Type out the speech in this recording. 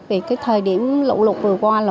vì thời điểm lụ lụt vừa qua